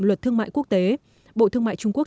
luật thương mại quốc tế bộ thương mại trung quốc